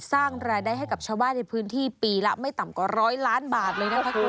สร้างรายได้ให้กับชาวบ้านในพื้นที่ปีละไม่ต่ำกว่าร้อยล้านบาทเลยนะคะคุณ